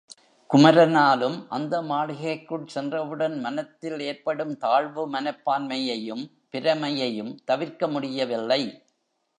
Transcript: குமரனாலும் அந்த மாளிகைக்குள் சென்றவுடன் மனத்தில் ஏற்படும் தாழ்வுமனப்பான்மையையும் பிரமையையும் தவிர்க்க முடியவில்லை.